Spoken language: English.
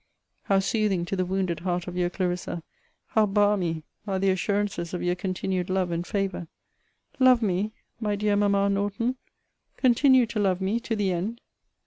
How soothing to the wounded heart of your Clarissa, how balmy are the assurances of your continued love and favour; love me, my dear mamma Norton, continue to love me, to the end!